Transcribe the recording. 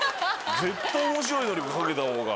絶対面白いのにかけた方が。